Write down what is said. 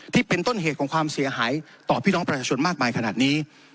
ที่เป็นต้นเหตุของความเสียหายต่อพี่น้องประชาชนมากมายขนาดนี้